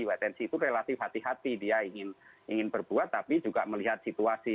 wait and see itu relatif hati hati dia ingin berbuat tapi juga melihat situasi